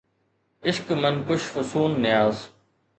عشق من ڪُش فصون نياز